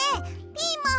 ピーマン。